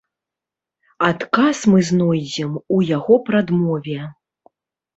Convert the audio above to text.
Адказ мы знойдзем у яго прадмове.